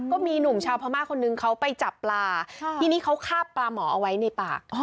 ก็มีหนุ่มชาวพม่าคนนึงเขาไปจับปลาทีนี้เขาคาบปลาหมอเอาไว้ในปาก